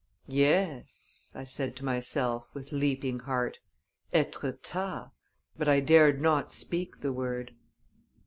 "Yes," I said to myself, with leaping heart, "Etretat!" But I dared not speak the word.